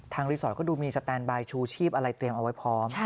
รีสอร์ทก็ดูมีสแตนบายชูชีพอะไรเตรียมเอาไว้พร้อม